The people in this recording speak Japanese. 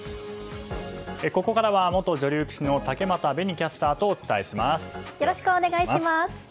ここからは元女流棋士の竹俣紅キャスターとよろしくお願いします。